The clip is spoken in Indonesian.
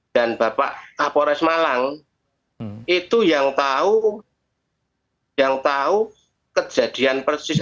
dan bapak kapolres malang itu yang tahu kejadian persis